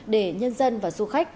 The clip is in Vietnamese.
để nhân dân và du khách